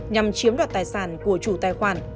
nhằm chiếm đoạt tài sản của chủ tài khoản